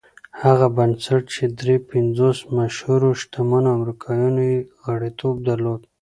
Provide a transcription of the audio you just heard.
هغه بنسټ چې دري پنځوس مشهورو شتمنو امريکايانو يې غړيتوب درلود.